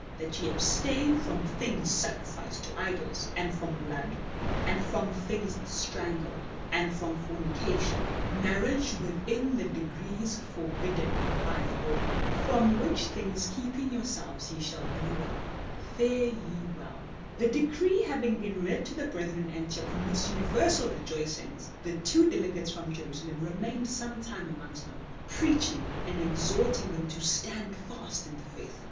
That ye abstain from things sacrificed to idols and from blood, and from things strangled, and from fornication (marriage within the degrees forbidden by the Law) ; from which, things keeping yourselves you shall do well. Fare ye well." 56 LIFE OF ST. PAUL The decree having been read to the brethren in Antioch amidst universal rejoicings, the two delegates from Jerusalem remained some time amongst them, preaching and exhorting them to stand fast in the Faith.